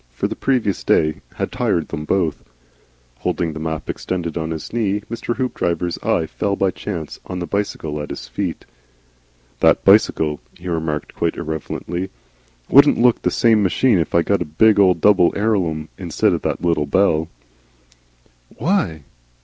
For the previous day had tried them both. Holding the map extended on his knee, Mr. Hoopdriver's eye fell by chance on the bicycle at his feet. "That bicycle," he remarked, quite irrelevantly, "wouldn't look the same machine if I got a big, double Elarum instead of that little bell." "Why?"